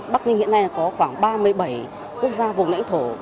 bắc ninh hiện nay có khoảng ba mươi bảy quốc gia vùng lãnh thổ